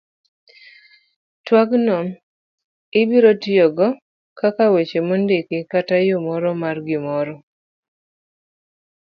twak no ibiro tiyogo kaka weche mondiki kata yo moro mar gimoro